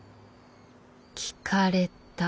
聞かれた？